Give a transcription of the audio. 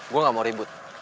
gue gak mau ribut